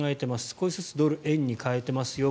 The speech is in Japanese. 少しずつドルを円に替えていますよ